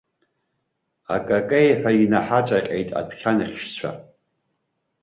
Акакеиҳәа инаҳаҵаҟьеит адәқьанхьшьцәа!